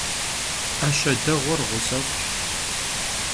'eşe değuer ğusef'ş.